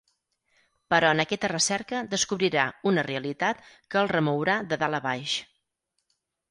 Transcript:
Però en aquesta recerca descobrirà una realitat que el remourà de dalt a baix.